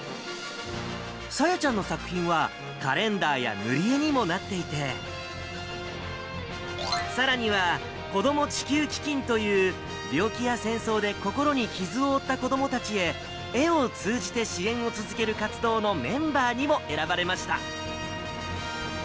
さやちゃんの作品は、カレンダーや塗り絵にもなっていて、さらには、子供地球基金という、病気や戦争で心に傷を負った子どもたちへ絵を通じて支援を続ける活動のメンバーにも選ばれました。